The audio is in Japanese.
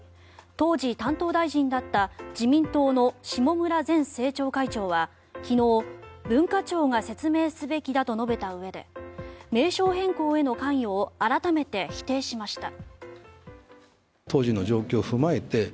当時、担当大臣だった自民党の下村前政調会長は昨日文化庁が説明すべきだと述べたうえで名称変更への関与を改めて否定しました。